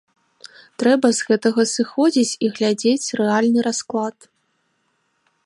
Трэба з гэтага сыходзіць і глядзець рэальны расклад.